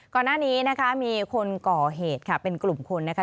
ก่อนหน้านี้นะคะมีคนก่อเหตุค่ะเป็นกลุ่มคนนะคะ